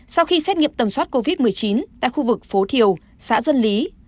sau khi xét nghiệm tầm soát covid một mươi chín tại khu vực phố thiều xã dân lý